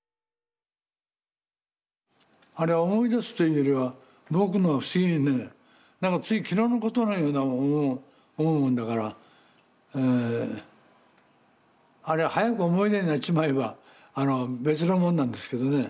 あれは思い出すというよりは僕も不思議でねなんかつい昨日のことのように思うもんだからあれは早く思い出になっちまえば別のもんなんですけどね